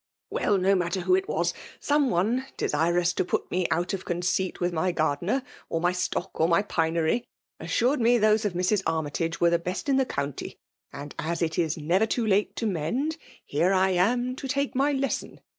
" Well — no matter who it was. Some one, desirous to put me out of conceit with my g^ar dener, or my stock, or my pinery, assured me those of Mr. Armytage were the best in the county ; and as it is never too late to mend. FEMALE DOMINATION. 49 here I am to take my lesson.